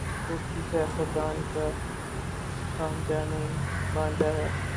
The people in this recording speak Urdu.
وہ کسی سیاست دان کا بھانجا ہے۔